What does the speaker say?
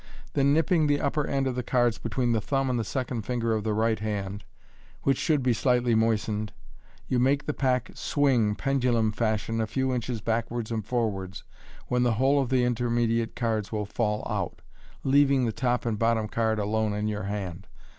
Then nipping the upper end of the cards between the thumb and second finger of the right hand, which should be slightly moistened, you make the pack swing, pendulum fashion, a few inches backwards and forwards, when the whole of the intermediate cards will fall out, leaving the top and bottom card alone in your hand.